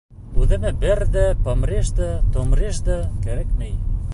Үҙемә бер ҙә помреж да, томреж да кәрәкмәй.